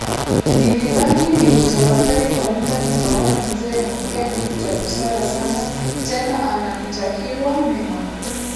Nilibaki nikitafakari kwa muda nikaona mzee ameongea kitu cha busara sana tena ananitakiwa mema